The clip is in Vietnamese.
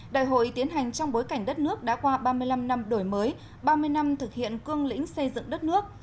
đại hội tiến hành trong bối cảnh đất nước đã qua ba mươi năm năm đổi mới ba mươi năm thực hiện cương lĩnh xây dựng đất nước